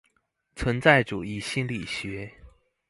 存在主義心理學